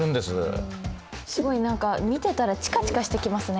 すごい何か見てたらチカチカしてきますね